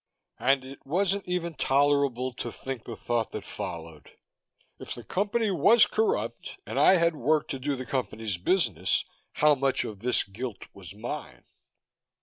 And it wasn't even tolerable to think the thought that followed. If the Company was corrupt, and I had worked to do the Company's business, how much of this guilt was mine?